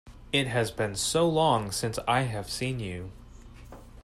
It has been so long since I have seen you!